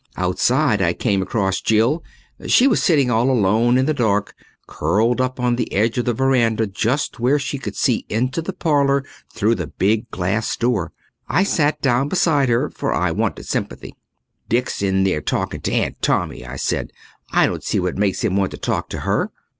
Outside I came across Jill. She was sitting all alone in the dark, curled up on the edge of the verandah just where she could see into the parlour through the big glass door. I sat down beside her, for I wanted sympathy. "Dick's in there talking to Aunt Tommy," I said. "I don't see what makes him want to talk to her."